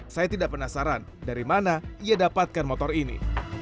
saya tidak penasaran dari mana ia dapatkan motor ini